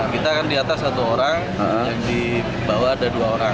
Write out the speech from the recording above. kita kan di atas satu orang di bawah ada dua orang